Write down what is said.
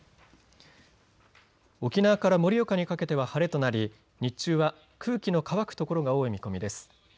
沖縄から盛岡にかけては晴れとなり日中は空気の乾くところが多い見込みです。